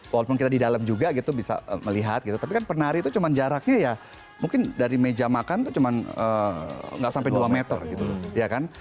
walaupun kita di dalam juga gitu bisa melihat gitu tapi kan penari itu cuma jaraknya ya mungkin dari meja makan tuh cuma nggak sampai dua meter gitu ya kan